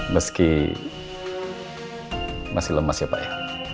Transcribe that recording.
meski masih lemas ya pak ya